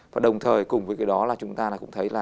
và đồng thời cùng với cái đó là chúng ta cũng thấy là